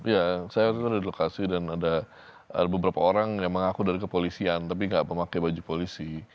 ya saya ada di lokasi dan ada beberapa orang yang mengaku dari kepolisian tapi tidak memakai baju polisi